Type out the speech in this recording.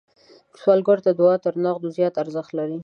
سوالګر ته دعا تر نغدو زیات ارزښت لري